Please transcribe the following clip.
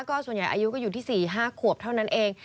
ก็ส่วนใหญ่อายุก็อยู่ที่๔๕ขวบเท่านั้นเอง